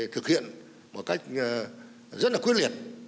thực hiện một cách rất là quyết liệt